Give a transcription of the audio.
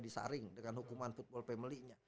disaring dengan hukuman football family nya